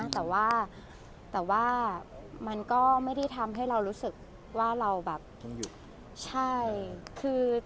แต่ว่ามันก็ไม่ดีทำให้เรารูสึกว่าเราแบบ